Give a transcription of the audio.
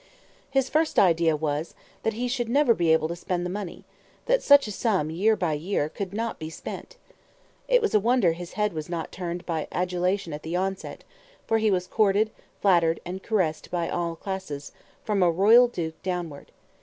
His first idea was, that he should never be able to spend the money; that such a sum, year by year, could not be spent. It was a wonder his head was not turned by adulation at the onset, for he was courted, flattered and caressed by all classes, from a royal duke downward.